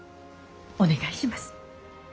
お願いします。